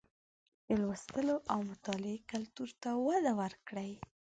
د لوستلو او مطالعې کلتور ته وده ورکړئ